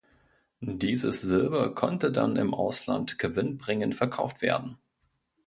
Dieses Silber konnte dann im Ausland gewinnbringend verkauft werden.